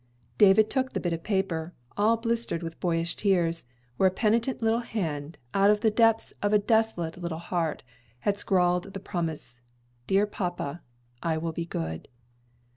David took the bit of paper, all blistered with boyish tears, where a penitent little hand, out of the depths of a desolate little heart, had scrawled the promise: "Dear Papa, I will be good."